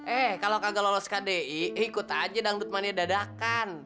eh kalau kagak lolos kdi ikut aja dangdut mania dadakan